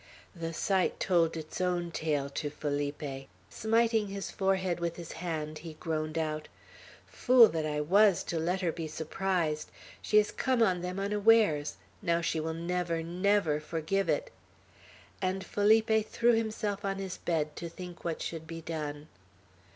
The sight told its own tale to Felipe. Smiting his forehead with his hand, he groaned out: "Fool that I was, to let her be surprised; she has come on them unawares; now she will never, never forgive it!" And Felipe threw himself on his bed, to think what should be done.